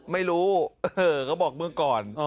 ไม่รู้เขาบอกเมื่อก่อน